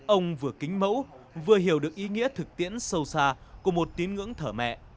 ông vừa kính mẫu vừa hiểu được ý nghĩa thực tiễn sâu xa của một tín ngưỡng thở mẹ